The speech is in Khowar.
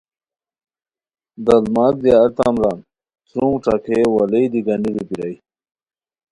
دڑماک دی ارتام ران سرونگ ݯاکئے وا لیئے دی گانیرو بیرائے